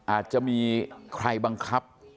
อาจจะมีใครบังคับ